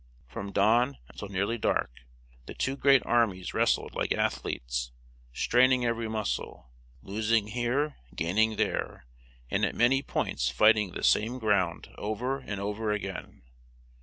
From dawn until nearly dark, the two great armies wrestled like athletes, straining every muscle, losing here, gaining there, and at many points fighting the same ground over and over again.